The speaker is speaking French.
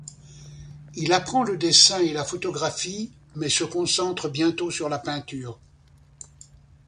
Il apprend le dessin et la photographie, mais se concentre bientôt sur la peinture.